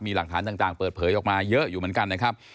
มีหลักฐานต่างเปิดเผยออกมาเยอะอยู่เหมือนกันนะครับ